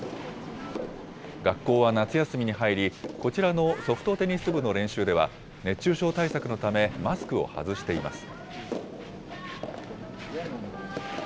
学校は夏休みに入り、こちらのソフトテニス部の練習では、熱中症対策のため、マスクを外しています。